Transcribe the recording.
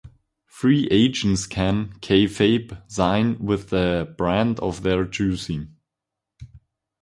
Free agents can (kayfabe) sign with the brand of their choosing.